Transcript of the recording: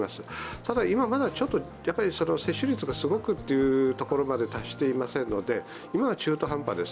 ただ、まだ接種率がすごくというところまで達していませんので今は中途半端です。